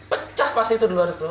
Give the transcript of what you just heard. pecah pasti itu di luar itu